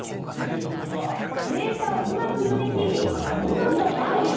傾斜をうまく読み切り、見事バーディー。